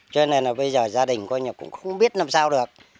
cho nên là bây giờ gia đình coi nhà cũng không biết năm sao được